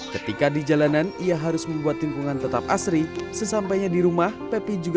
ketika di jalanan ia harus membuat lingkungan tetap asri sesampainya di rumah pepi juga